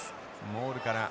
モールから。